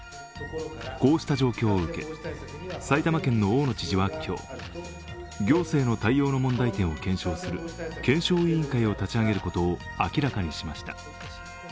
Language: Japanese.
こうした状況を受け、埼玉県の大野知事は今日、行政の対応の問題点を検証する検証委員会を立ち上げることを明らかにしました。